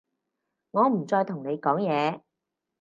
我唔再同你講嘢